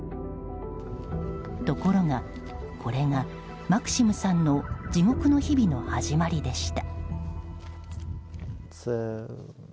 ところが、これがマクシムさんの地獄の日々の始まりでした。